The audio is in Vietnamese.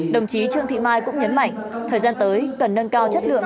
đồng chí trương thị mai cũng nhấn mạnh thời gian tới cần nâng cao chất lượng